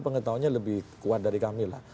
pengetahuannya lebih kuat dari kami lah